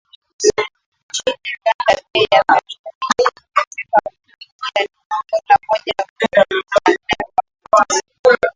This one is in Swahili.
Nchini Uganda, bei ya petroli imeongezeka kufikia dola moja nukta nne kwa lita